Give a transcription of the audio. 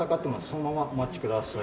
そのままお待ちください。